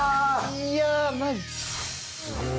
いやマジ？